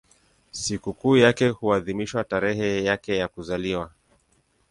Sikukuu yake huadhimishwa tarehe yake ya kuzaliwa.